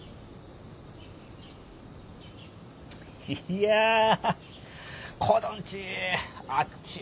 いやぁ子どんちあっちい